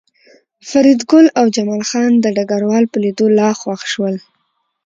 فریدګل او جمال خان د ډګروال په لیدو لا خوښ شول